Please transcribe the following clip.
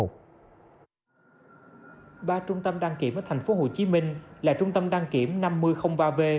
ba trung tâm đăng kiểm ở thành phố hồ chí minh là trung tâm đăng kiểm năm mươi ba v